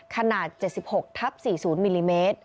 ขนาด๗๖ทับ๔๐มิลลิเมตร